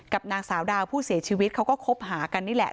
นางสาวดาวผู้เสียชีวิตเขาก็คบหากันนี่แหละ